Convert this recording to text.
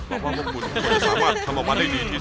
เพราะว่าพวกคุณสามารถทำออกมาได้ดีที่สุด